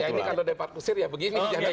ya ini kalau dapat kusir ya begini